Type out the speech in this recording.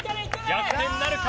逆転なるか？